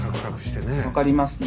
分かりますね。